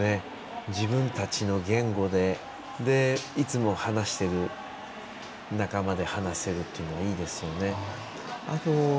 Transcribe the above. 自分たちの言語でいつも話してる仲間で話せるというのはいいですよね。